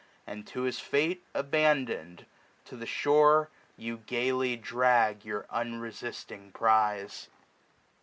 And to his £ate abandoned, to the shore You gaily drag your unresisting prize.